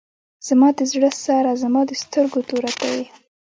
زما د زړه سره زما د سترګو توره ته یې.